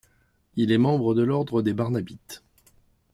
Il est membre de l'ordre des Barnabites.